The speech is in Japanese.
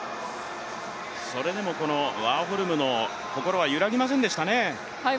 それでもこのワーホルムの心は揺らぎませんでしたね。